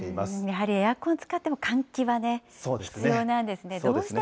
やはりエアコン使っても、換気はね、必要なんですね。